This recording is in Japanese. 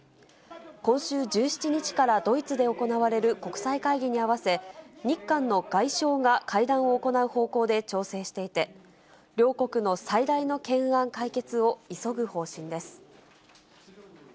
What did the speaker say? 今週１７日からドイツで行われる国際会議に合わせ、日韓の外相が会談を行う方向で調整していて、両国の最大の懸案解決を急ぐ方針です。